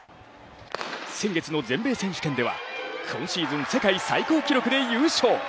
先月の全米選手権では今シーズン世界最高記録で優勝。